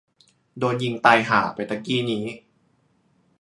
โดนยิงตายห่าไปตะกี้นี้